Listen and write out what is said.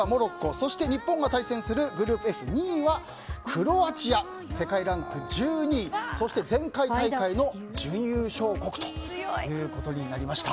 そして日本が対戦するグループＦ２位はクロアチア、世界ランク１２位前回大会の準優勝国ということになりました。